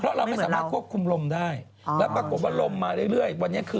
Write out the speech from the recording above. เพราะเราไม่สามารถควบคุมลมได้แล้วปรากฏว่าลมมาเรื่อยวันนี้คือ